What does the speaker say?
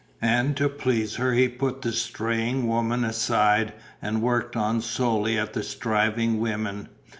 And to please her he put the straying woman aside and worked on solely at the striving women.